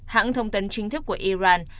hãng thông tin chính thức của iran